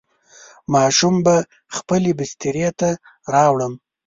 ماشوم به خپلې بسترې ته راوړم.